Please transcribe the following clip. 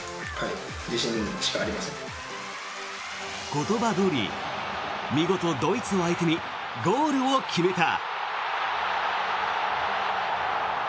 言葉どおり見事、ドイツを相手にゴールを決めた。